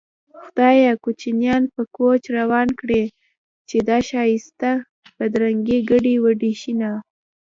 خدايه کوچيان په کوچ روان کړې چې دا ښايسته بدرنګې ګډې وډې شينه